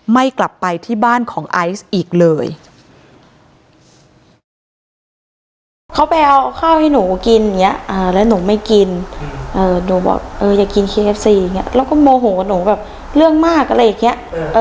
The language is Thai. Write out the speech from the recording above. ไม่กลับไปที่บ้านของไอซ์อีกเลย